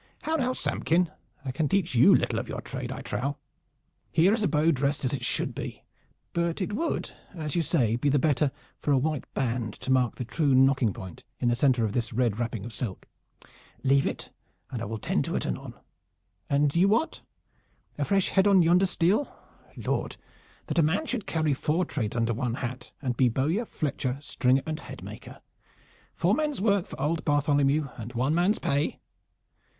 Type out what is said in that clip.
How now, Samkin? I can teach you little of your trade, I trow. Here is a bow dressed as it should be; but it would, as you say, be the better for a white band to mark the true nocking point in the center of this red wrapping of silk. Leave it and I will tend to it anon. And you, Wat? A fresh head on yonder stele? Lord, that a man should carry four trades under one hat, and be bowyer, fletcher, stringer and headmaker! Four men's work for old Bartholomew and one man's pay!"